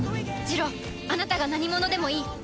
ジロウあなたが何者でもいい。